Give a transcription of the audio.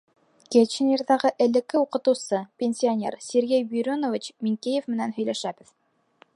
Кетченерҙағы элекке уҡытыусы, пенсионер Сергей Бюрюнович Минкеев менән һөйләшәбеҙ.